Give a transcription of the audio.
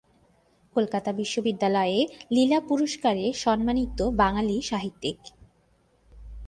কলকাতা বিশ্ববিদ্যালয়ের লীলা পুরস্কারে সম্মানিত বাঙালি সাহিত্যিক।